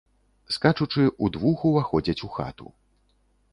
Скачучы, удвух уваходзяць у хату.